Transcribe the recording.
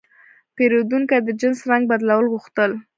پیرودونکی د جنس رنګ بدلول غوښتل.